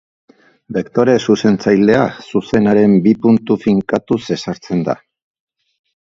Bektore zuzentzailea zuzenaren bi puntu finkatuz ezartzen da.